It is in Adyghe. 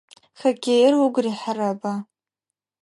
Хоккеир угу рихьырэба?